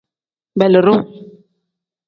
Beelidu.